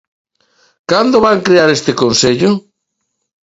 ¿Cando van crear este consello?